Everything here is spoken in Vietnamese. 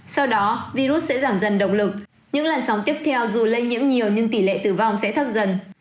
sau đó virus sẽ giảm dần động lực những lần sóng tiếp theo dù lây nhiễm nhiều nhưng tỷ lệ tử vong sẽ thấp dần